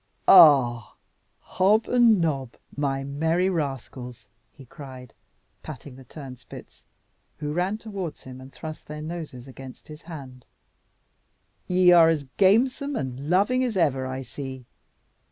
"Ah, Hob and Nob, my merry rascals," he cried, patting the turnspits, who ran towards him and thrust their noses against his hand, "ye are as gamesome and loving as ever, I see.